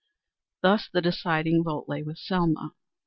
Thus the deciding vote lay with Selma.